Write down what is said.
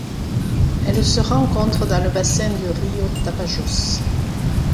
Elle se rencontre dans le bassin du rio Tapajós.